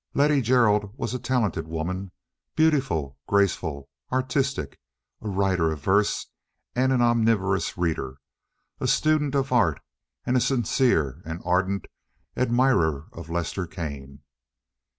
Letty Gerald was a talented woman, beautiful, graceful, artistic, a writer of verse, an omnivorous reader, a student of art, and a sincere and ardent admirer of Lester Kane.